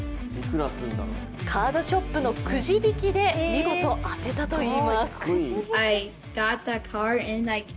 カードショップのくじ引きで見事当てたといいます。